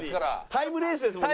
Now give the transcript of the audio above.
タイムレースですもんね。